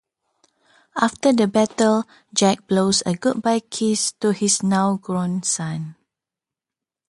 After the battle, Jack blows a goodbye kiss to his now grown son.